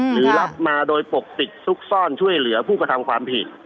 หรือรับมาโดยปกปิดซุกซ่อนช่วยเหลือผู้กระทำความผิด